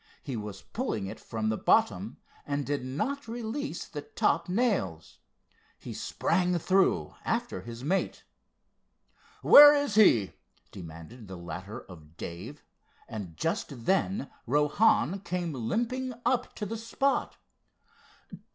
He was pulling it from the bottom, and did not release the top nails. He sprang through after his mate. "Where is he?" demanded the latter of Dave, and just then Rohan came limping up to the spot.